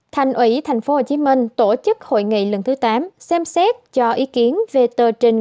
thành ủy tp hcm tổ chức hội nghị lần thứ tám xem xét cho ý kiến về tờ trình